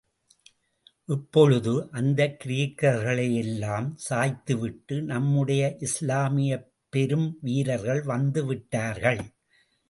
இப்பொழுது, அந்தக் கிரேக்கர்களையெல்லாம் சாய்த்து விட்டு நம்முடைய இஸ்லாமியப் பெரும் வீரர்கள் வந்து விட்டார்கள்.